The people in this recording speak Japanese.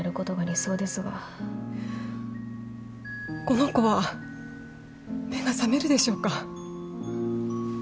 この子は目が覚めるでしょうか？